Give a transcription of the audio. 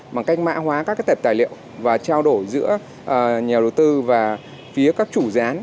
bằng cách mã hóa các tệp tài liệu và trao đổi giữa nhà đầu tư và phía các chủ gián